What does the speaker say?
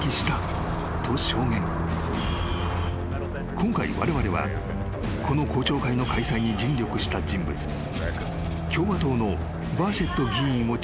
［今回われわれはこの公聴会の開催に尽力した人物共和党のバーシェット議員を直撃］